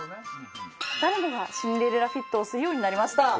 誰もがシンデレラフィットをするようになりました。